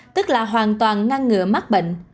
tức là hoàn toàn ngăn ngừa mắc bệnh